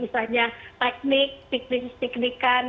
misalnya teknik teknik teknikan